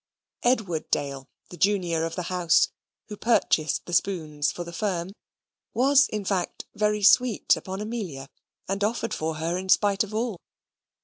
Edward Dale, the junior of the house, who purchased the spoons for the firm, was, in fact, very sweet upon Amelia, and offered for her in spite of all.